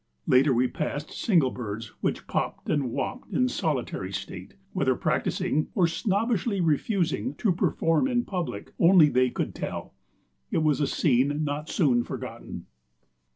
Later we passed single birds which popped and wopped in solitary state; whether practicing, or snobbishly refusing to perform in public, only they could tell. It was a scene not soon forgotten.